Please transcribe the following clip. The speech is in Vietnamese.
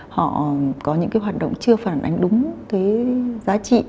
họ có những hoạt động chưa phản ánh đúng giá trị